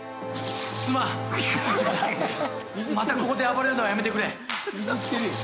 またここで暴れるのはやめてくれ。